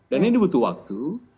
dan ini butuh waktu